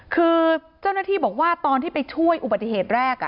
คือเจ้าหน้าที่บอกว่าตอนที่ไปช่วยอุบัติเหตุแรก